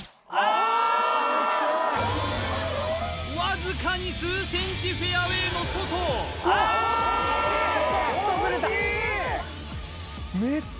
わずかに数センチフェアウェイの外あーっ！